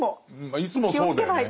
まあいつもそうだよね。